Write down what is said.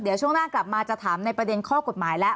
เดี๋ยวช่วงหน้ากลับมาจะถามในประเด็นข้อกฎหมายแล้ว